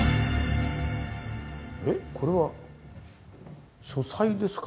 えっこれは書斎ですか？